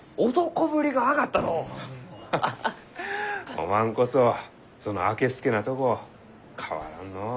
おまんこそそのあけすけなとこ変わらんのう。